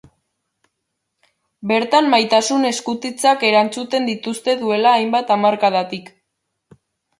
Bertan maitasun eskutitzak erantzuten dituzte duela hainbat hamarkadatik.